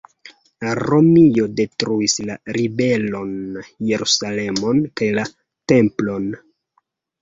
Romio detruis la ribelon, Jerusalemon kaj la Templon.